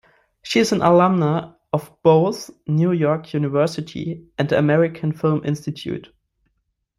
She is an alumna of both New York University and the American Film Institute.